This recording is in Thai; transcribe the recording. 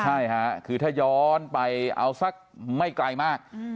ใช่ค่ะคือถ้าย้อนไปเอาสักไม่ไกลมาก